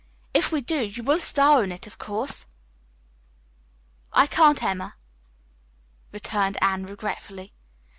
If we do, you will star in it, of course." "I can't, Emma," returned Anne regretfully.